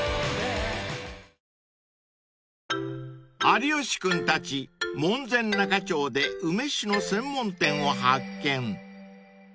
［有吉君たち門前仲町で梅酒の専門店を発見］